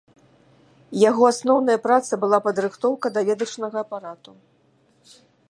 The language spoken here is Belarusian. Яго асноўная праца была падрыхтоўка даведачнага апарату.